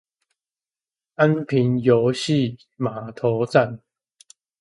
安平遊憩碼頭站